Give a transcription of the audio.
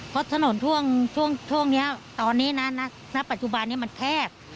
เพราะถนนช่วงนี้ตอนนี้นะณปัจจุบันนี้มันแคบ